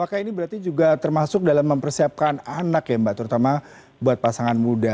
apakah ini berarti juga termasuk dalam mempersiapkan anak ya mbak terutama buat pasangan muda